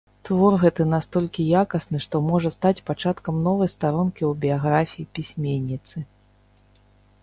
Твор гэты настолькі якасны, што можа стаць пачаткам новай старонкі ў біяграфіі пісьменніцы.